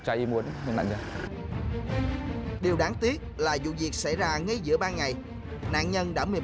và đối tượng lợi dụng lúc là nạn nhân chỉ ở một mình hoặc đơi vắng vẻ hoặc là những vào ban đêm mà không có khả năng kêu cứu